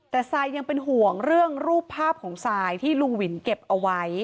แต่ซายยังเป็นห่วงเรื่องรูปภาพของทรายที่ลุงวินเก็บเอาไว้